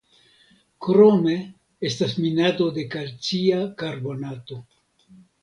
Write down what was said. Krome estas minado de kalcia karbonato.